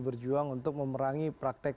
berjuang untuk memerangi praktek